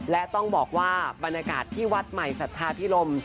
และต้องบอกว่าบรรยากาศที่วัดใหม่สัทธาพิรม